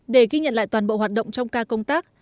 để ghi nhận lại toàn bộ hoạt động trong ca công tác